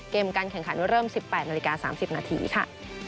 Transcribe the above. การแข่งขันเริ่ม๑๘นาฬิกา๓๐นาทีค่ะ